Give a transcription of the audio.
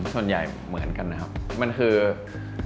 ส่วนใหญ่เหมือนกันนะครับ